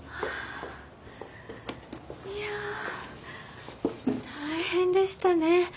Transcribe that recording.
いや大変でしたね。